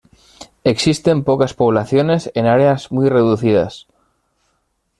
Existen pocas poblaciones en áreas muy reducidas.